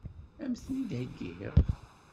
Ad m-tent-id-heggiɣ?